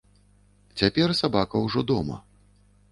Цяпер сабака ўжо дома.